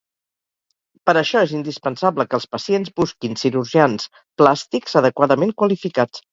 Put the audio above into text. Per això és indispensable que els pacients busquin cirurgians plàstics adequadament qualificats.